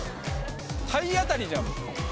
体当たりじゃん！